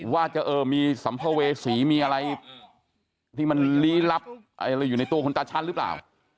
ว่าจะเออมีสัมภเวษีมีอะไรที่มันลี้ลับอะไรอยู่ในตัวคุณตาชั้นหรือเปล่า